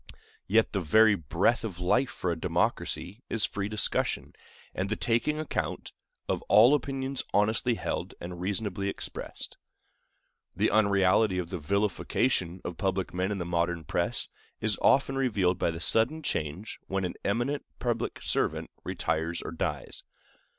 Yet the very breath of life for a democracy is free discussion, and the taking account, of all opinions honestly held and reasonably expressed. The unreality of the vilification of public men in the modern press is often revealed by the sudden change when an eminent public servant retires or dies.